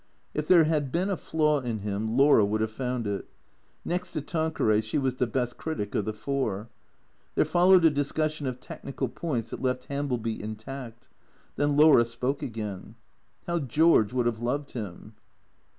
If there had been a flaw in him Laura would have found it. Next to Tanqueray she was the best critic of the four. There followed a discussion of technical points that left Hambleby intact. Then Laura spoke again. " How George would have loved him.."